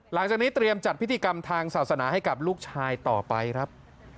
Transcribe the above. หลังจากนี้เตรียมจัดพิธีกรรมทางศาสนาให้กับลูกชายต่อไปครับ